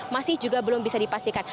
masih juga belum bisa dipastikan